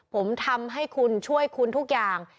ผมทำให้คุณช่วยคุณทุกอย่าง